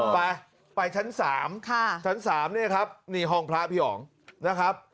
ไปไปชั้น๓ชั้น๓เนี่ยครับนี่ห้องพระพี่อ๋องนะครับ